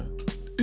え？